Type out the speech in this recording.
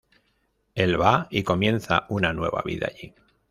Él va y comienza una nueva vida allí.